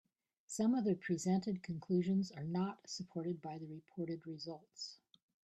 Some of the presented conclusions are not supported by the reported results.